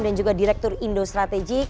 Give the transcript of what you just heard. dan juga direktur indo strategik